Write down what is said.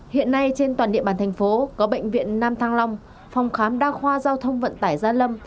hiện nay trên toàn địa bàn thành phố có bệnh viện nam thăng long phòng khám đa khoa giao thông vận tải gia lâm